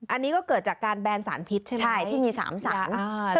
อันนี้ก็เกิดจากการแบนสารพิษใช่ไหมที่มี๓สาร